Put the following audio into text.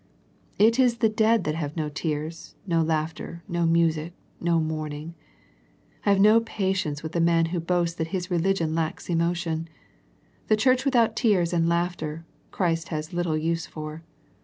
It is the dead that have no tears, no laughter, no music, no mourning. I have no patience with the man who boasts that his religion lacks emo tion. The church without tears and laughter, Christ has little use for.